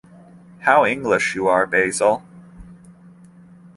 How English you are Basil!